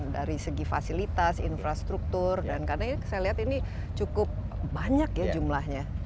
dari segi fasilitas infrastruktur dan karena ini saya lihat ini cukup banyak ya jumlahnya